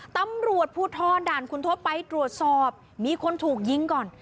ตำรวจภูทรด่านคุณทศไปตรวจสอบมีคนถูกยิงก่อน